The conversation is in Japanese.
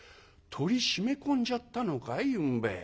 鳥閉め込んじゃったのかいゆんべ。